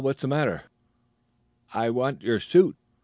What's the matter?" "I want your suit."